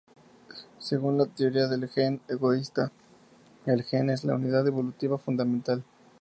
Según la teoría del gen egoísta, el gen es la unidad evolutiva fundamental.